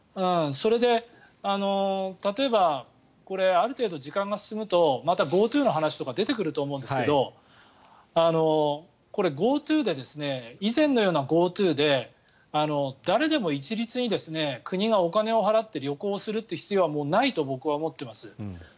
それで、例えばある程度、時間が進むとまたＧｏＴｏの話とか出てくると思うんですけどこれ、ＧｏＴｏで以前のようなＧｏＴｏで誰でも一律に国がお金を払って旅行をするという必要はもうないと僕は思っています。